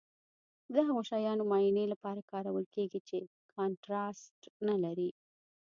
د هغو شیانو معاینې لپاره کارول کیږي چې کانټراسټ نه لري.